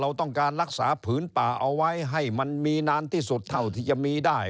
เราต้องการรักษาผืนป่าเอาไว้ให้มันมีนานที่สุดเท่าที่จะมีได้